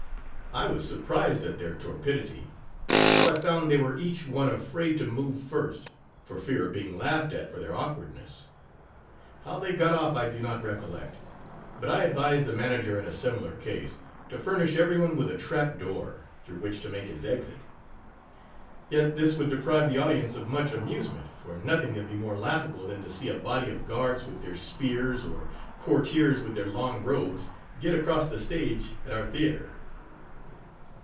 I was surprised at their torpidity, till I found they were each one afraid to move first, for fear of being laughed at for their awkwardness. How they got off I do not recollect: but I advise the manager, in a similar case, to furnish every one with a trap door, through which to make his exit. Yet this would deprive the audi ence of much amusement; for nothing can be more laughable than to see a body of guards with their spears, or courtiers with their long robes, get across the stage at our theatre.